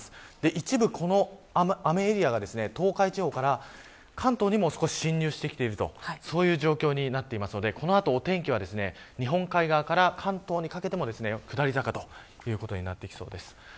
一部この雨エリアが東海地方から関東にも少し進入してきているとそういう状況になっていますのでこの後お天気は日本海側から関東にかけても下り坂ということになってきそうです。